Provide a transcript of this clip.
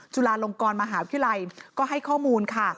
จุฬาลงกรมหาวิทยาลัยก็ให้ข้อมูลค่ะ